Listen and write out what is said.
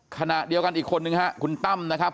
ขณะเดียวกันอีกคนนึงฮะคุณตั้มนะครับ